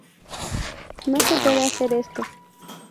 No se puede hacer esto.